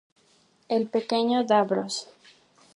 Al pequeño Davros.